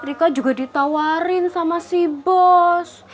mereka juga ditawarin sama si bos